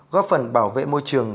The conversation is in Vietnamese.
góp phần bảo vệ môi trường